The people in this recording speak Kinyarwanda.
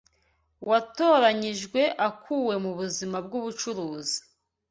watoranyijwe akuwe mu buzima bw’ubucuruzi